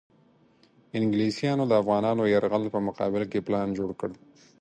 انګلیسیانو د افغانانو یرغل په مقابل کې پلان جوړ کړ.